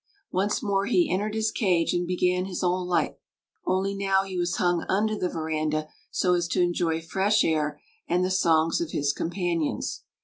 Once more he entered his cage and began his old life, only now he was hung under the veranda so as to enjoy fresh air and the songs of his companions.